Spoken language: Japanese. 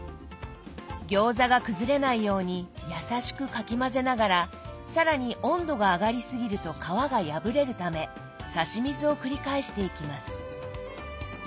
餃子が崩れないようにやさしくかき混ぜながら更に温度が上がりすぎると皮が破れるため差し水を繰り返していきます。